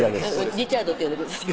リチャードって呼んでください